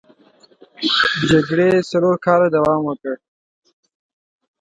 جګړې څلور کاله دوام وکړ.